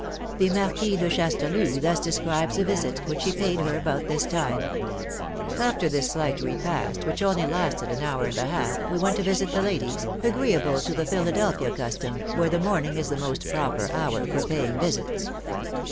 The Marquis de Chastellux thus describes a visit which he paid her about this time: "After this slight repast, which only lasted an hour and a half, we went to visit the ladies, agreeable to the Philadelphia custom, where the morning is the most proper hour for paying visits.